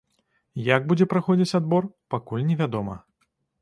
Як будзе праходзіць адбор, пакуль невядома.